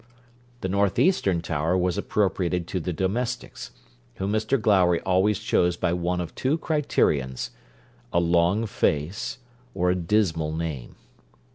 The north eastern tower was appropriated to the domestics, whom Mr Glowry always chose by one of two criterions, a long face, or a dismal name.